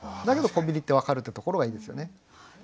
だけどコンビニって分かるってところがいいですよね。